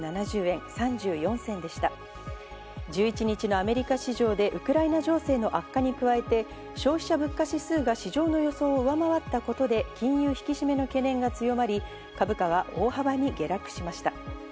１１日のアメリカ市場でウクライナ情勢の悪化に加えて、消費者物価指数が市場の予想を上回ったことで、金融引き締めの懸念が強まり、株価は大幅に下落しました。